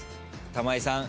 玉井さん